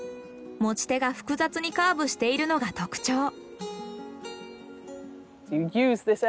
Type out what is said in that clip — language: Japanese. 持ち手が複雑にカーブしているのが特徴。